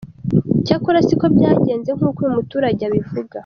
Cyakora siko byagenze nk’uko uyu muturage abivuga.